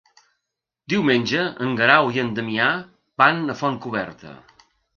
Diumenge en Guerau i en Damià van a Fontcoberta.